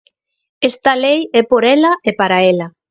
Esta lei é por ela e para ela.